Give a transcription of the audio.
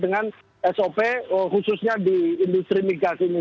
dengan sop khususnya di industri migas ini